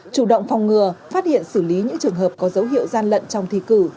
chủ động phòng ngừa phát hiện xử lý những trường hợp có dấu hiệu gian lận trong thi cử